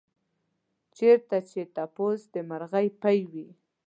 چېرته چې تپوس د مرغۍ پۍ وي.